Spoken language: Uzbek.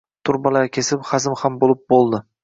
Trubalar kesilib xazm ham boʻlib boʻldi..